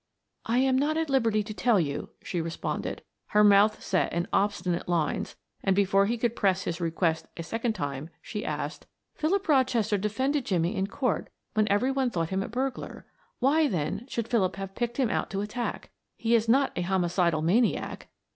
"I am not at liberty to tell you," she responded; her mouth set in obstinate lines and before he could press his request a second time, she asked: "Philip Rochester defended Jimmie in court when every one thought him a burglar; why then, should Philip have picked him out to attack he is not a homicidal maniac?"